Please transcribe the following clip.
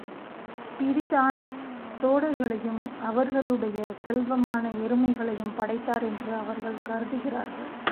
பிதிதான் தோடர்களையும், அவர்களுடைய செல்வமான எருமைகளையும் படைத்தார் என்று அவர்கள் கருதுகிறார்கள்.